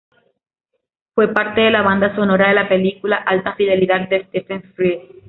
Fue parte de la banda sonora de la película "Alta fidelidad" de Stephen Frears.